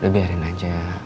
udah biarin aja